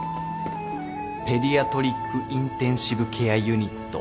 ペディアトリックインテンシブケアユニット。